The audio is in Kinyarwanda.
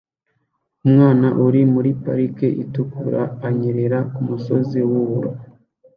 Umwana uri muri parike itukura anyerera kumusozi wubura